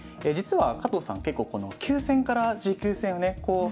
実は加藤さん結構この急戦から持久戦をね